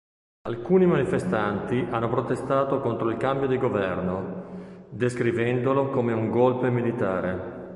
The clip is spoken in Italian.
Alcuni manifestanti hanno protestato contro il cambio di governo, descrivendolo come un golpe militare.